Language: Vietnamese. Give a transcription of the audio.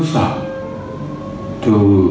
từ các cái cấp thấp nhất